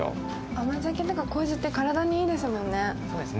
甘酒とか糀って体にいいですもんね。